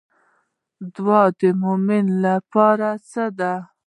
دعا د مومن لپاره څه ده؟